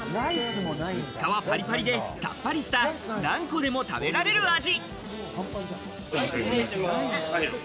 皮はパリパリでさっぱりした何個でも食べられる味。